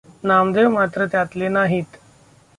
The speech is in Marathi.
नामदेव मात्र त्यातले नाहीत.